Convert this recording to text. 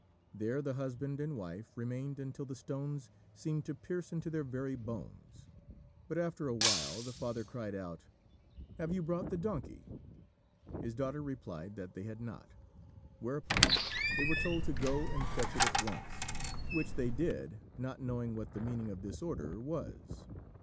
There the husband and wife remained until the stones seemed to pierce into their very bones; but after a while the father cried out, "Have you brought the donkey?" His daughter replied that they had not; whereupon they were told to go and fetch it at once, which they did, not knowing what the meaning of this order was.